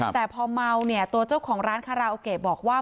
แต่พอเมาเนี่ยตัวเจ้าของร้านคาราโอเกะบอกว่า